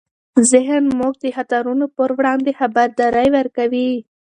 ذهن موږ د خطرونو پر وړاندې خبرداری ورکوي.